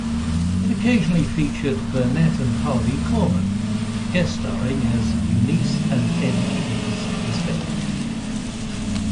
It occasionally featured Burnett and Harvey Korman guest-starring as Eunice and Ed Higgins, respectively.